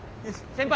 先輩！